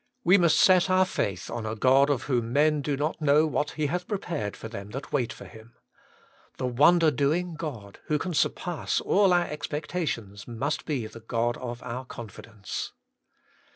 We must set our faith on a God of whom men do not know what He hath prepared for them that wait for Him. The wonder doing God, who can surpass all our expectations, must be the God of our confidence.